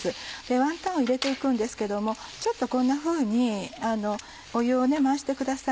ワンタンを入れて行くんですけどもちょっとこんなふうに湯を回してください。